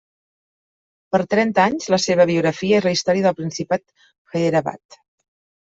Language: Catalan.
Per trenta anys la seva biografia és la història del principat d'Hyderabad.